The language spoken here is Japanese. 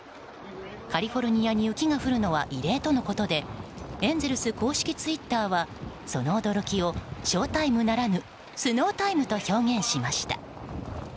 カリフォルニアに雪が降るのは異例とのことでエンゼルス公式ツイッターはその驚きをＳＨＯＷＴＩＭＥならぬＳＮＯＷＴＩＭＥと表現しました。